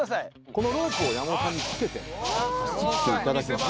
このロープを山本さんにつけて走っていただきます